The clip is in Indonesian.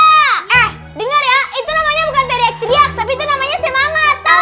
eh dengar ya itu namanya bukan teriak teriak tapi itu namanya semangat tau